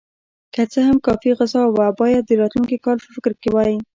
که څه هم کافي غذا وه، باید د راتلونکي کال په فکر کې وای.